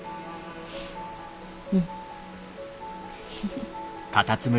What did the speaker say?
うん。